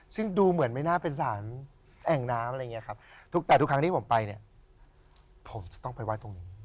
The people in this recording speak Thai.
ซึ่งดูเหมือนไม่น่าเป็นสารแอ่งน้ำอะไรอย่างนี้ครับแต่ทุกครั้งที่ผมไปเนี่ยผมจะต้องไปไห้ตรงนี้